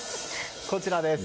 こちらです。